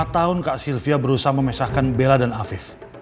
dua puluh lima tahun kak sylvia berusaha memesahkan bella dan afif